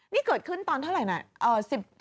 นี่เกิดขึ้นตอนเท่าไหร่นะ